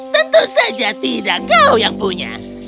tentu saja tidak kau yang punya